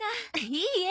いいえ。